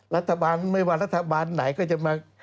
รัฐบาลไม่ว่ารัฐบาลไหนก็จะมา